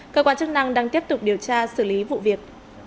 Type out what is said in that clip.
cơ quan chức năng đang tiếp tục điều tra xử lý vụ việc